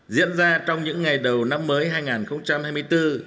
diễn ra trong những ngày đầu năm mới hai nghìn hai mươi bốn